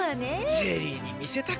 ジェリーにみせたかったなあ。